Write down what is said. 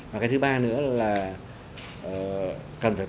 và cái thứ ba nữa là cần phải